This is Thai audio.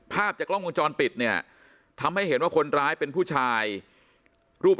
ภาพจากกล้องวงจรปิดเนี่ยทำให้เห็นว่าคนร้ายเป็นผู้ชายรูป